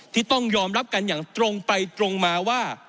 ที่ต้องยอมรับกันอย่างตรงไปตรงมาว่า